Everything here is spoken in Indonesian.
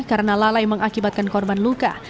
karena lalai mengakibatkan korban luka